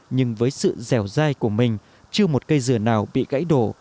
nhưng với sự dẻo dai của mình chưa một cây dừa nào bị gãy đổ